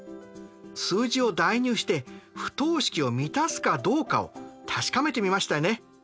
数字を代入して不等式を満たすかどうかを確かめてみましたね。